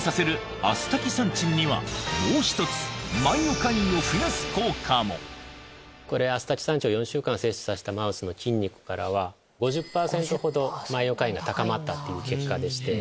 もう１つこれアスタキサンチンを４週間摂取させたマウスの筋肉からは５０％ほどマイオカインが高まったっていう結果でして。